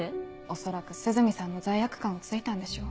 恐らく涼見さんの罪悪感を突いたんでしょう。